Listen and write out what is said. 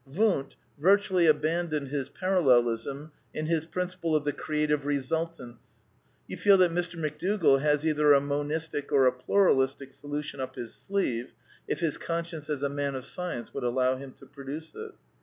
Wundt virtually abandoned his Parallelism in iV'^is principle of the creative resultants. You feel that Mr. McDougall has either a monistic or a pluralistic solution up his sleeve, if his conscience as a man of science would allow him to produce it.